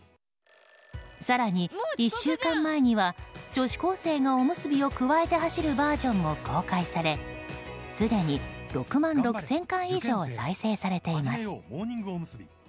更に、１週間前には女子高生がおむすびをくわえて走るバージョンも公開されすでに６万６０００回以上再生されています。